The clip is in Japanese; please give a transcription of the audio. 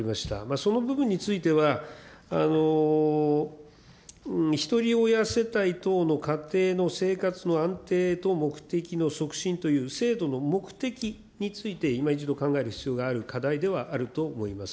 その部分については、ひとり親世帯等の家庭の生活の安定と目的の促進という制度の目的について、いま一度考える必要がある課題ではあると思います。